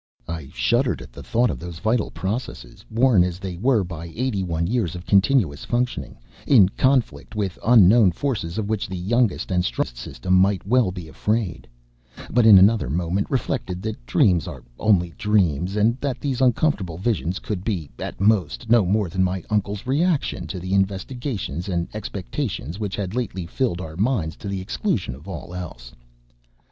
I shuddered at the thought of those vital processes, worn as they were by eighty one years of continuous functioning, in conflict with unknown forces of which the youngest and strongest system might well be afraid; but in another moment reflected that dreams are only dreams, and that these uncomfortable visions could be, at most, no more than my uncle's reaction to the investigations and expectations which had lately filled our minds to the exclusion of all else.